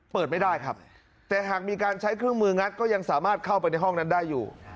เปิดไม่ได้ครับแต่หากมีการใช้เครื่องมืองัดก็ยังสามารถเข้าไปในห้องนั้นได้อยู่